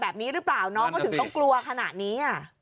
แบบนี้หรือเปล่าน้องก็ถึงต้องกลัวขนาดนี้